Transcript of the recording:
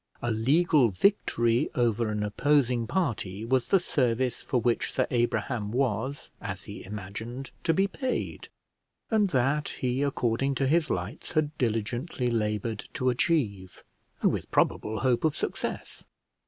A legal victory over an opposing party was the service for which Sir Abraham was, as he imagined, to be paid; and that he, according to his lights, had diligently laboured to achieve, and with probable hope of success.